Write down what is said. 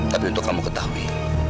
tapi untuk kamu ketahui